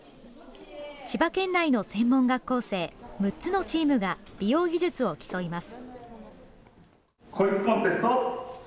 千葉県内の専門学校生、６つのチームが美容技術を競います。